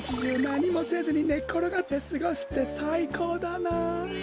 なにもせずにねっころがってすごしてさいこうだなあ！